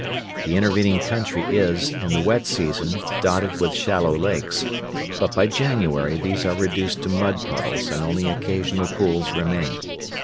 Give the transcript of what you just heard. The intervening country is, in the wet season, dotted with shallow lakes, but by January these are reduced to mud puddles and only occasional pools remain.